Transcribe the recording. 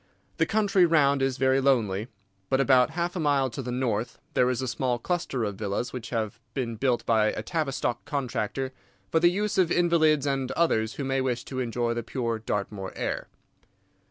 The country round is very lonely, but about half a mile to the north there is a small cluster of villas which have been built by a Tavistock contractor for the use of invalids and others who may wish to enjoy the pure Dartmoor air.